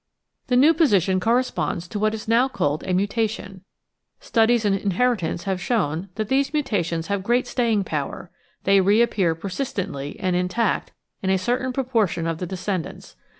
The new position corresponds to what is now called a mutation. Studies in inheritance have shown that these mutations have great staying power; they reappear persistently and intact in a cer tain proportion of the descendants.